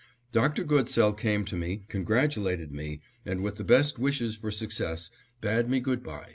Dr. Goodsell came to me, congratulated me and, with the best wishes for success, bade me good by.